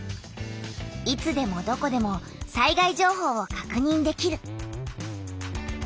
いつでもどこでも災害情報をかくにんできる。